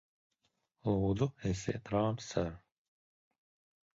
Lūdzu, esiet rāms, ser!